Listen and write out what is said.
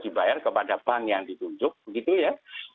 dibayar kepada bank yang ditunjuk begitu ya